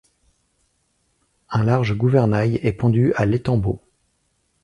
Un large gouvernail est pendu à l'étambot.